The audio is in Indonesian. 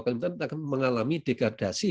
kelimantan akan mengalami dekadasi